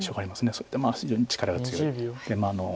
それで非常に力が強い。